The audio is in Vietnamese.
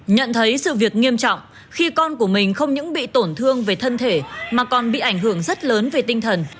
nhận thấy sự việc nghiêm trọng khi con của mình không những bị tổn thương về thân thể mà còn bị ảnh hưởng rất lớn về tinh thần